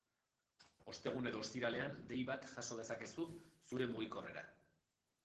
Ostegun edo ostiralean dei bat jaso dezakezu zure mugikorrera.